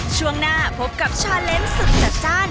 ช่วงหน้าพบกับชาเล็มสุดจัดจ้าน